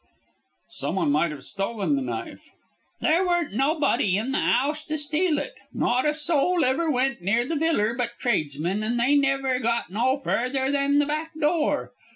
"Someone might have stolen the knife." "There weren't nobody in the 'ouse to steal it. Not a soul ever went near the viller but tradesmen, and they never got no further than the back door.